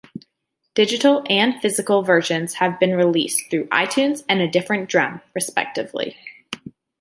Digital and physical versions have been released through iTunes and A Different Drum, respectively.